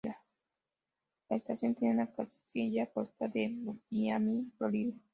La estación tenía una casilla postal de Miami, Florida.